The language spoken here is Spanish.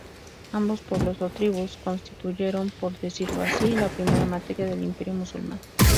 Ambos pueblos o tribus constituyeron, por decirlo así, la primera materia del imperio musulmán.